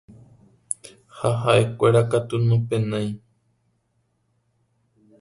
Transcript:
ha ha'ekuéra katu nopenái